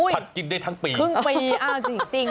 ผัดกินได้ทั้งปีครึ่งปีจริง